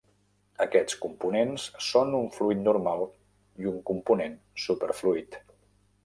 Aquests components són un fluid normal i un component superfluid.